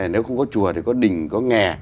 nếu không có chùa thì có đình có nghè